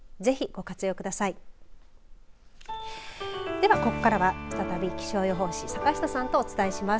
では、ここからは再び気象予報士坂下さんとお伝えします。